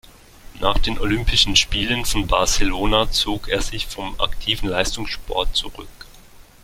Nach den Olympischen Spielen von Barcelona zog er sich vom aktiven Leistungssport zurück.